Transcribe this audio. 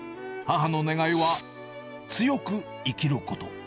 母の願いは、強く生きること。